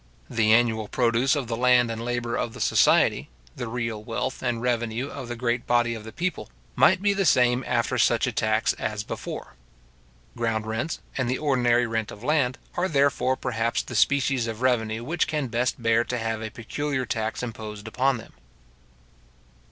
The annual produce of the land and labour of the society, the real wealth and revenue of the great body of the people, might be the same after such a tax as before. Ground rents, and the ordinary rent of land, are therefore, perhaps, the species of revenue which can best bear to have a peculiar tax imposed upon them.